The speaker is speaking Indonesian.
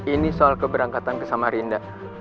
ini soal keberangkatan ke samarinda